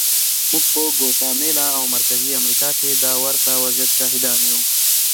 موږ په ګواتیمالا او مرکزي امریکا کې د ورته وضعیت شاهدان یو.